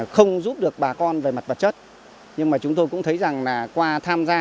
không giúp được bà con về mặt vật chất nhưng chúng tôi cũng thấy qua tham gia